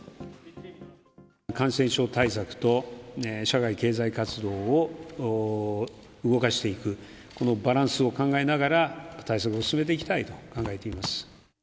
感染症対策と社会経済活動を動かしていく、このバランスを考えながら、対策を進めていきたいと考えています。